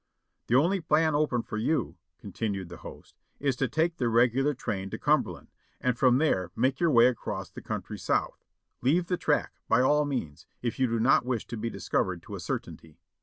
"The only plan open for you," continued the host, " is to take the regular train to Cumberland, and from there make your way across the country south. Leave the track, by all means, if you do not wish to be discovered to a certainty."